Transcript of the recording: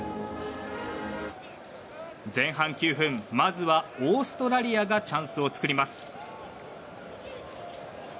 前半９分まずはオーストラリアがチャンスを作ります。